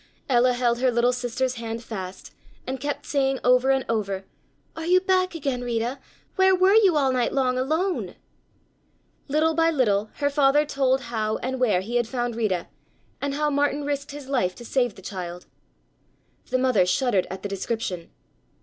Ella held her little sister's hand fast and kept saying over and over: "Are you back again, Rita? Where were you all night long alone?" Little by little her father told how and where he had found Rita and how Martin risked his life to save the child. The mother shuddered at the description.